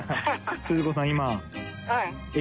鈴子さん）